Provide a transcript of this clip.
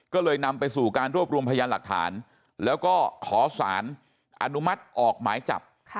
ก็เลยนำไปสู่การรวบรวมพยานหลักฐานแล้วก็ขอสารอนุมัติออกหมายจับ